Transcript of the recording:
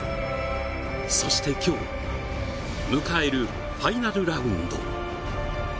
そして今日、迎えるファイナルラウンド。